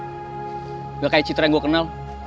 enggak kayak citra yang gue kenal